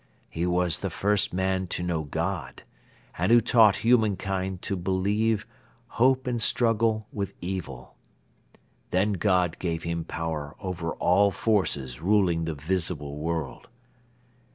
He was the first man to know God and who taught humankind to believe, hope and struggle with Evil. Then God gave him power over all forces ruling the visible world.